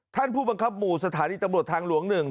ท่านผู้บังคับหมู่สถานีตำรวจทางหลวง๑